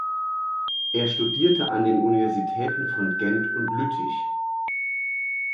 Er studierte an den Universitäten von Gent und Lüttich.